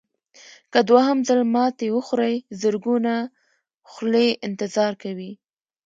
که دوهم ځل ماتې وخورئ زرګونه خولې انتظار کوي.